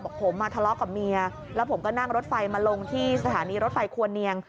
บอกผมมาทะเลาะกับเมียแล้วผมก็นั่งรถไฟมาลงที่สถานีรถไฟควรเนียง